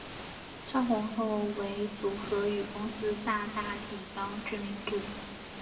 窜红后为组合与公司大大提高知名度。